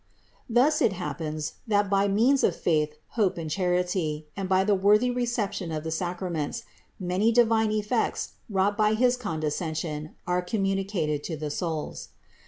178. Thus it happens, that by means of faith, hope and charity, and by the worthy reception of the Sacra ments, many divine effects, wrought by his condescen sion, are communicated to the souls.